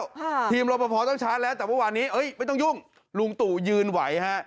ข้างทีมรณพพอร์ต้องชาร์จแล้วแต่มอวันนี้เอาไปต้องยุ่งลุงตัวยืนไหวฮะ